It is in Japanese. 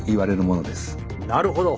なるほど。